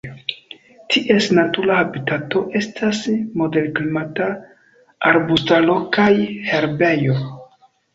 Ties natura habitato estas moderklimata arbustaro kaj herbejo.